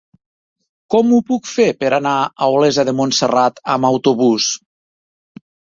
Com ho puc fer per anar a Olesa de Montserrat amb autobús?